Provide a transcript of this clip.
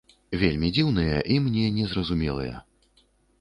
Вельмі дзіўныя, і мне не зразумелыя.